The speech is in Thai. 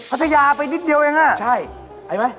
พัทยาไปนิดเดียวเองอ่ะใช่ไปไหม